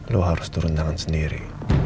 lo harus turun tangan sendiri